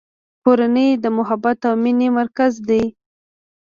کورنۍ د محبت او مینې مرکز دی.